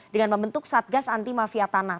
dengan membentuk satgas anti mafia tanah